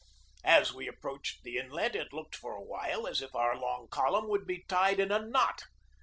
As we approached the Inlet it looked for a while as if our long column would be tied in a knot.